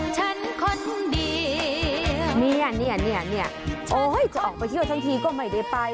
ฉันคนเดียวนี่อ่ะนี่อ่ะนี่อ่ะนี่อ่ะโอ้ยจะออกไปเที่ยวทั้งทีก็ไม่ได้ไป